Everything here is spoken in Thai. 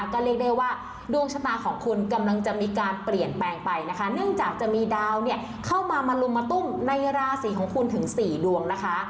ก็เรียกได้ว่าดวงชะตาของคุณกำลังจะมีการเปลี่ยนแปลงไปนะคะเนื่องจากจะมีดาวเนี่ยเข้ามามาลุมมาตุ้มในราศีของคุณถึง๔ดวงนะคะ